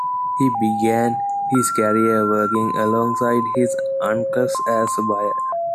He began his career working alongside his uncles as a buyer.